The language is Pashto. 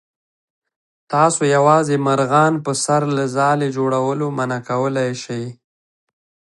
تاسو یوازې مرغان په سر له ځالې جوړولو منع کولی شئ.